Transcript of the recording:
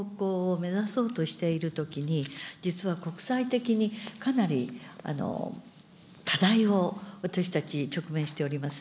今、まさにその方向を目指そうとしているときに、実は国際的にかなり課題を私たち、直面しております。